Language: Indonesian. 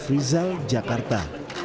f rizal jakarta